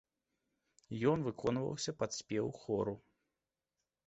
Ён выконваўся пад спеў хору.